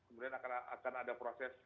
kemudian akan ada proses